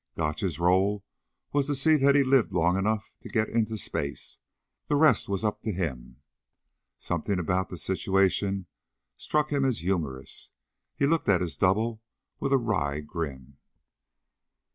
Gotch's role was to see that he lived long enough to get it into space. The rest was up to him. Something about the situation struck him as humorous. He looked at his double with a wry grin.